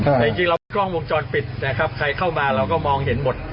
แต่จริงเรามีกล้องวงจรปิดนะครับใครเข้ามาเราก็มองเห็นหมด